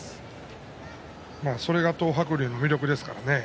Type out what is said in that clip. それが東白龍の魅力ですからね。